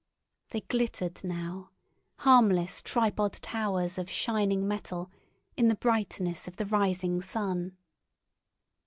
They glittered now, harmless tripod towers of shining metal, in the brightness of the rising sun.